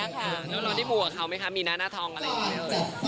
แล้วเราได้มัวเขาไหมคะมีหน้าหน้าทองอะไรอย่างนี้